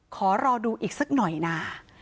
ขอรอดูอีกสักหน่อยนะ